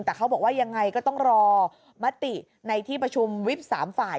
แต่เขาบอกว่ายังไงก็ต้องรอมติในที่ประชุมวิบ๓ฝ่าย